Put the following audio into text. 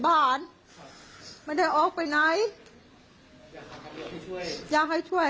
มันมีแม่ด้วยมันมีแม่ด้วย